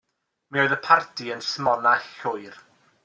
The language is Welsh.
Mi oedd y parti yn smonach llwyr.